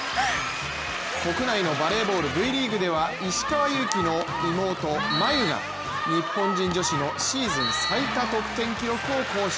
国内のバレーボール、Ｖリーグでは石川祐希の妹、真佑が日本人女子のシーズン最多得点記録を更新。